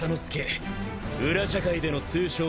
裏社会での通称は斬左。